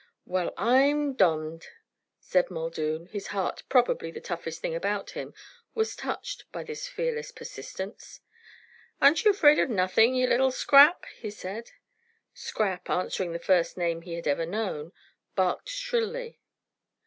"Well, I'm domned!" said Muldoon. His heart, probably the toughest thing about him, was touched by this fearless persistence. "Ar ren't ye afraid o' nothin', ye little scrap?" he said. Scrap, answering the first name he had ever known, barked shrilly.